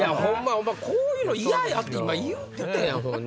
お前こういうの嫌やって今言うてたやん！